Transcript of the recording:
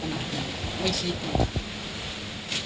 เวลาเขากินน้อยนะคะอาทิตย์ยาดใส่เขาก็ดีย้าย